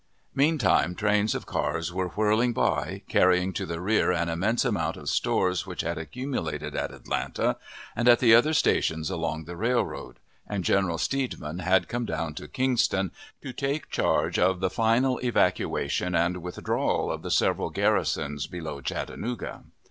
Meantime trains of cars were whirling by, carrying to the rear an immense amount of stores which had accumulated at Atlanta, and at the other stations along the railroad; and General Steedman had come down to Kingston, to take charge of the final evacuation and withdrawal of the several garrisons below Chattanooga.